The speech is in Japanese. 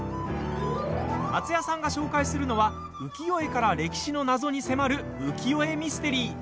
松也さんが紹介するのは浮世絵から歴史の謎に迫る「浮世絵ミステリー」。